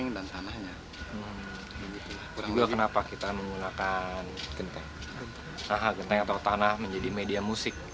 banyak band dan musik